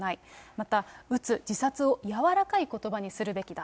また、うつ、自殺をやわらかいことばにするべきだ。